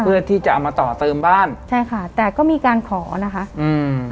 เพื่อที่จะเอามาต่อเติมบ้านใช่ค่ะแต่ก็มีการขอนะคะอืม